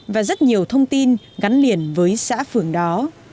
và rất nhiều thông tin gắn liền với xã phường đó